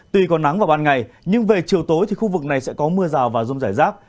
tuy còn nắng vào ban ngày nhưng về chiều tối thì khu vực này sẽ có mưa rào và rông rải rác